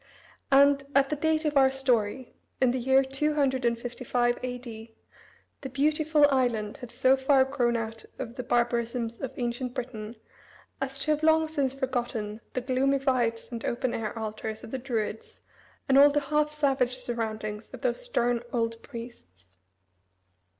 And, at the date of our story, in the year 255 A.D., the beautiful island had so far grown out of the barbarisms of ancient Britain as to have long since forgotten the gloomy rites and open air altars of the Druids, and all the half savage surroundings of those stern old priests.